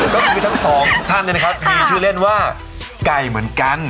ก็คือทั้งสองท่านเนี่ยนะครับมีชื่อเล่นว่าไก่เหมือนกัน